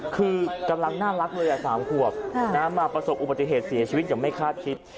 คือกำลังน่ารักเลย๓ขวบมาประสบอุบัติเหตุเสียชีวิตอย่างไม่คาดคิด